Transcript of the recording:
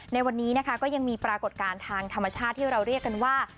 ในวันนี้นะคะก็ยังมีปรากฏการณ์ทางธรรมชาติที่เราเรียกกันว่า